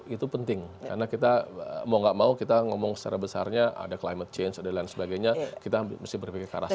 itu penting karena kita mau gak mau kita ngomong secara besarnya ada climate change dan lain sebagainya kita mesti berpikir ke arah sana